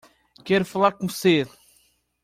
Quero falar com você.